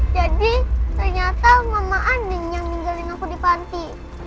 jadi ternyata mama andin yang ninggalin aku di panti